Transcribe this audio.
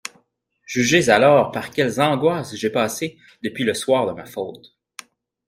Jugez alors par quelles angoisses j'ai passé depuis le soir de ma faute.